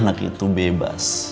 anak itu bebas